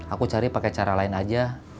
aku cari pakai cara lain aja